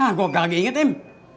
hah gua gak lagi inget im